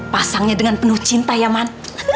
pasangnya dengan penuh cinta ya man